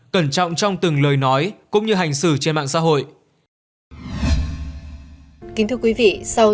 cẩn trọng trong từng lời nói cũng như hành xử trên mạng xã hội